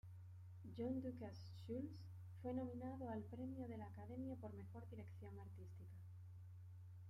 John DuCasse Schulze fue nominado al premio de la Academia por Mejor Dirección Artística.